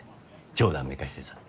冗談めかしてさ。